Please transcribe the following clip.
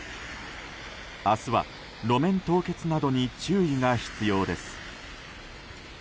明日は路面凍結などに注意が必要です。